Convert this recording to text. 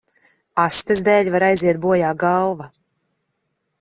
Astes dēļ var aiziet bojā galva.